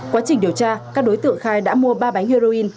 quá trình điều tra các đối tượng khai đã mua ba bánh heroin